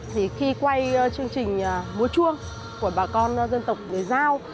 thì khi quay chương trình múa chuông của bà con dân tộc người giao